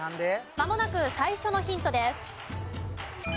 まもなく最初のヒントです。